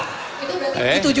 ke ancol lewat kota tua